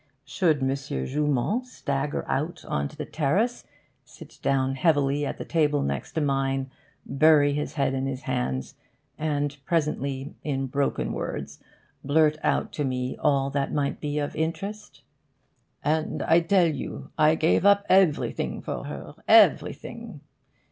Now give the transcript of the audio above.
Should M. Joumand stagger out on to the terrace, sit down heavily at the table next to mine, bury his head in his hands, and presently, in broken words, blurt out to me all that might be of interest?... '"And I tell you I gave up everything for her everything."